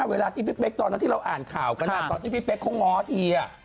เวลาที่พี่เป๊กตอนนั้นที่เราอ่านข่าวกันตอนที่พี่เป๊กเขาง้อที